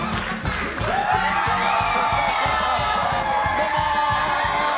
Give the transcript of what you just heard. どうも！